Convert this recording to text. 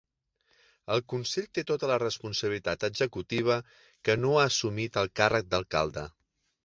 El Consell té tota la responsabilitat executiva que no ha assumit el càrrec d'alcalde.